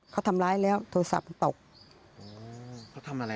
เขาทำร้ายแล้วโทรศัพท์ตก